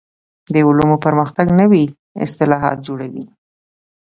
د علومو پرمختګ نوي اصطلاحات جوړوي.